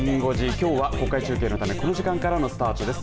今日は国会中継のためこの時間からのスタートです。